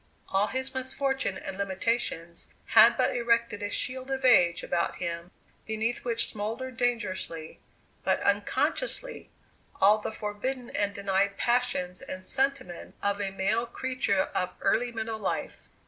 All his misfortune and limitations had but erected a shield of age about him beneath which smouldered dangerously, but unconsciously, all the forbidden and denied passions and sentiments of a male creature of early middle life.